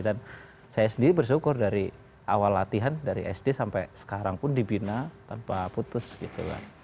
dan saya sendiri bersyukur dari awal latihan dari sd sampai sekarang pun dibina tanpa putus gitu kan